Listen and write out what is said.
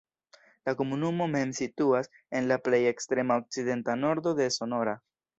La komunumo mem situas en la plej ekstrema okcidenta nordo de Sonora.